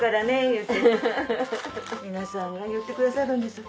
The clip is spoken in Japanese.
言うて皆さんが言うてくださるんです。